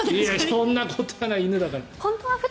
そんなことない犬だから。